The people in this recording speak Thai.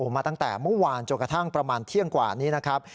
มาตั้งแต่เมื่อวานจนกระทั่งประมาณเที่ยงกว่านี้นะครับ